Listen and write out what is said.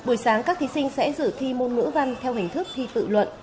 buổi sáng các thí sinh sẽ giữ thi môn ngữ văn theo hình thức thi tự luận